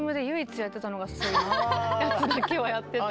やつだけはやってた。